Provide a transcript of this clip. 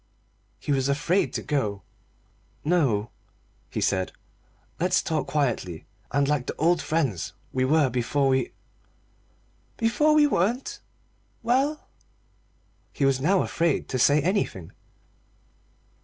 He was afraid to go. "No," he said, "let's talk quietly, and like the old friends we were before we " "Before we weren't. Well?" He was now afraid to say anything.